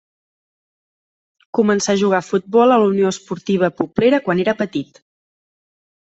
Començà a jugar a futbol a la Unió Esportiva Poblera quan era petit.